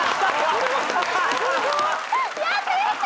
やった！